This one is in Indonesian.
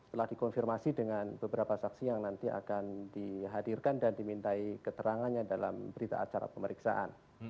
telah dikonfirmasi dengan beberapa saksi yang nanti akan dihadirkan dan dimintai keterangannya dalam berita acara pemeriksaan